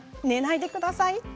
寝ないでください。